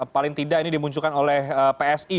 paling tidak ini dimunculkan oleh psi